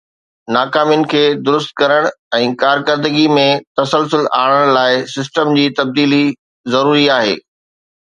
ناڪامين کي درست ڪرڻ ۽ ڪارڪردگي ۾ تسلسل آڻڻ لاءِ سسٽم جي تبديلي ضروري آهي